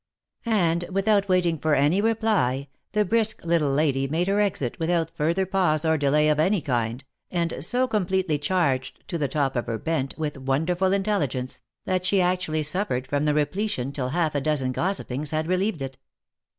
And without waiting for any reply, the brisk little lady made her exit without further pause or delay of any kind, and so completely charged " to the top of her bent" with wonderful intelligence, that she actually suffered from the repletion till half a dozen gossippings had relieved it.